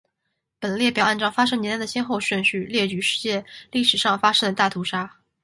本列表按照发生年代的先后顺序列举世界历史上发生的大屠杀。